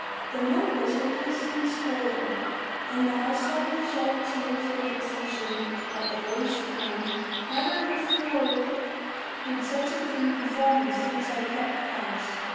The milk was hopelessly spoilt, and the housewife shed tears of vexation at the waste, crying, "Never before did such a thing befall me since I kept house!